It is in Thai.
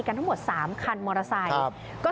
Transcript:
ทั้งหมด๓คันมอเตอร์ไซค์